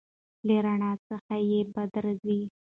له رڼایي څخه یې بدې راځي.